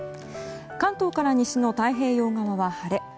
関東から西の太平洋側は晴れ。